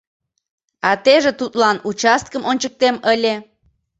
— А теже тудлан участкым ончыктем ыле.